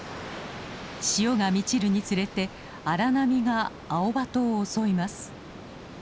潮が満ちるにつれて荒波がアオバトを襲います。